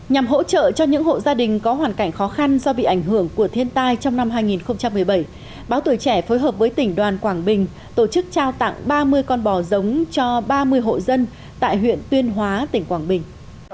nhằm hỗ trợ cho những hộ gia đình có hoàn cảnh khó khăn do bị ảnh hưởng của thiên tai trong năm hai nghìn một mươi bảy báo tuổi trẻ phối hợp với tỉnh đoàn quảng bình tổ chức trao tặng ba mươi con bò giống cho ba mươi hộ dân tại huyện tuyên hóa tỉnh quảng bình